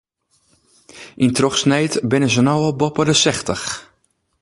Yn trochsneed binne se no al boppe de sechstich.